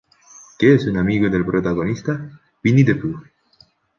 Que es un amigo del protagonista, Winnie the Pooh.